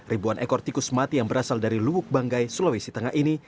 ribuan ekor tikus mati yang berasal dari lubuk banggai sulawesi tengah ini